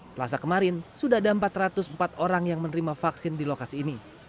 selasa kemarin sudah ada empat ratus empat orang yang menerima vaksin di lokasi ini